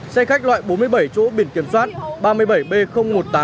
xe khách loại bốn mươi bảy chỗ biển kiểm soát